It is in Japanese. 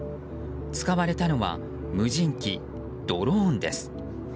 使われたのは無人機ドローンです。